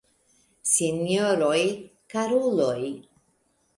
Sinjoroj, karuloj!